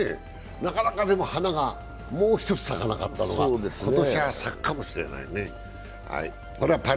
なかなか花がもう１つ咲かなかったのが、今年は咲くかもしれないね。